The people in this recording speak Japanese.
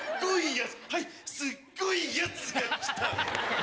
すっごいやつが来た。